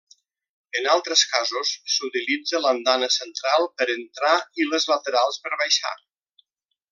En altres casos, s'utilitza l'andana central per entrar i les laterals per baixar.